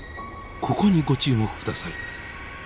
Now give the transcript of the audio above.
ここにご注目下さい。